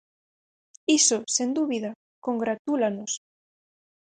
Iso, sen dúbida, congratúlanos.